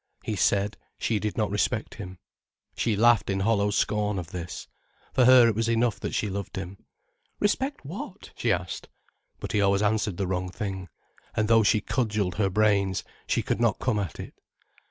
He said, she did not respect him. She laughed in hollow scorn of this. For her it was enough that she loved him. "Respect what?" she asked. But he always answered the wrong thing. And though she cudgelled her brains, she could not come at it.